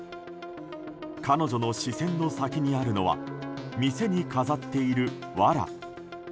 彼女の視線の先にあるのは店に飾っているわら。